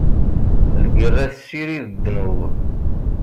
Lgerra tessirid ddnub.